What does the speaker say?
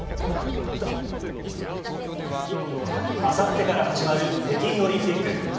あさってから始まる北京オリンピック。